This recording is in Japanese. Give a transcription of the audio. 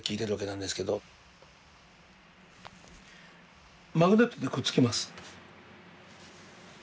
でマグネットでくっつきます。